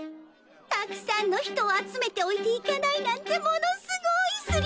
たくさんの人を集めておいて行かないなんてものすごいスリルなの。